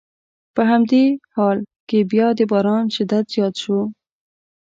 په همدې حال کې بیا د باران شدت زیات شو.